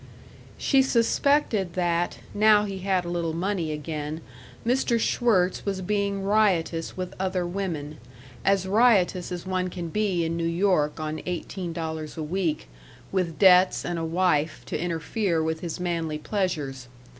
She suspected that, now he had a little money again, Mr. Schwirtz was being riotous with other women as riotous as one can be in New York on eighteen dollars a week, with debts and a wife to interfere with his manly pleasures.